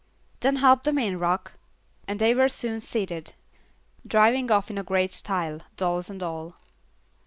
"Then help them in, Rock," and they were soon seated, driving off in great style, dolls and all.